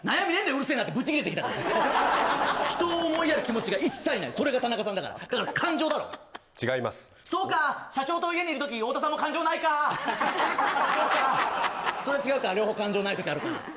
うるせえなってブチ切れてきたから人を思いやる気持ちが一切ないそれが田中さんだからだから感情だろ違いますそうか社長と家にいる時太田さんも感情ないかそうかそれ違うか両方感情ない時あるな